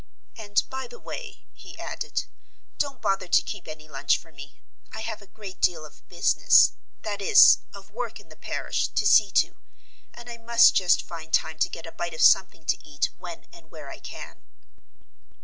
And, by the way," he added, "don't bother to keep any lunch for me. I have a great deal of business that is, of work in the parish to see to, and I must just find time to get a bite of something to eat when and where I can."